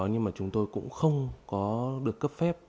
nhưng mà chúng tôi cũng không có được cấp phép